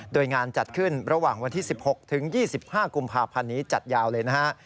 โดยงานจัดขึ้นระหว่างวันที่๑๖ถึง๒๕กุมภาพันธ์นี้จัดยาวเลยนะฮะ